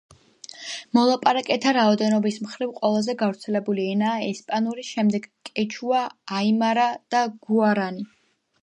მოლაპარაკეთა რაოდენობის მხრივ, ყველაზე გავრცელებული ენაა ესპანური, შემდეგ კეჩუა, აიმარა და გუარანი.